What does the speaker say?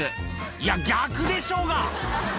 いや、逆でしょうが！